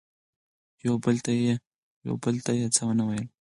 خو یو بل ته یې څه ونه ویل.